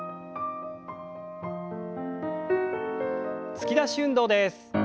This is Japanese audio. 突き出し運動です。